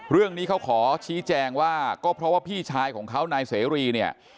เรื่องนี้เขาขอชี้แจงว่าก็เพราะว่าพี่ชายของเขานายเสรีเนี่ย